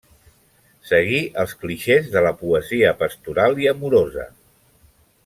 Seguí els clixés de la poesia pastoral i amorosa.